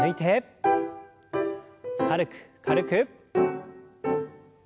軽く軽く。